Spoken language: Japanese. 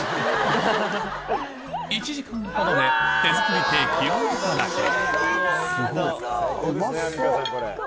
１時間ほどで手作りケーキが頂ける。